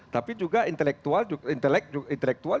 tapi juga intelektual